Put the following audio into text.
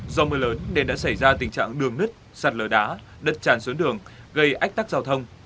do mưa lớn nên đã xảy ra tình trạng đường nứt sạt lở đá đất tràn xuống đường gây ách tắc giao thông